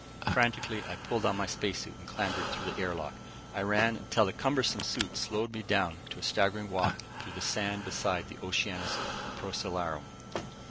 Frantically, I pulled on my space suit and clambered through the air lock. I ran, until the cumbersome suit slowed me down to a staggering walk through the sand beside the Oceanus Procellarum.